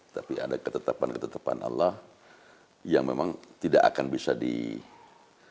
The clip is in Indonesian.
tapi ada ketetapan ketetapan allah yang memang tidak akan bisa diberikan